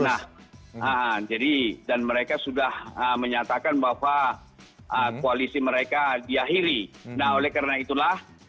nah jadi dan mereka sudah menyatakan bahwa koalisi mereka diakhiri nah oleh karena itulah